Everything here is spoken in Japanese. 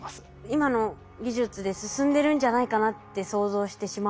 今の技術で進んでるんじゃないかなって想像してしまうので。